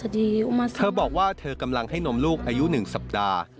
เธอบอกว่าเธอกำลังให้นมลูกอายุ๑สัปดาห์